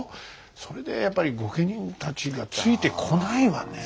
それでやっぱり御家人たちがついてこないわね。